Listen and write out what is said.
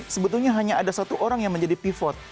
sebetulnya hanya ada satu orang yang menjadi pivot